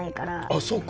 あっそうか。